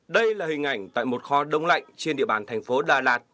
đây là hình ảnh tại một kho đông lạnh trên địa bàn thành phố đà lạt